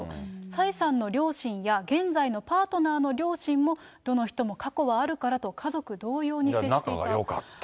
蔡さんの両親や、現在のパートナーの両親も、どの人も過去はあるからと、仲がよかった。